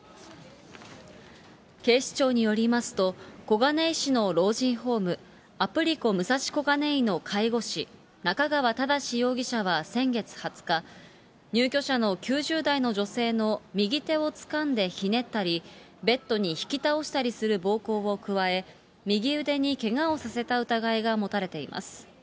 警視庁によりますと、小金井市の老人ホーム、アプリコ武蔵小金井の介護士、中川忠容疑者は先月２０日、入居者の９０代の女性の右手をつかんでひねったり、ベッドに引き倒したりする暴行を加え、右腕にけがをさせた疑いが持たれています。